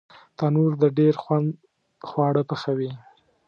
تنور د ډېر خوند خواړه پخوي